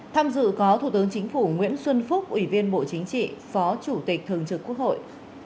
tham dự có thủ tướng chính phủ nguyễn xuân phúc ủy viên bộ chính trị phó chủ tịch thường trực quốc hội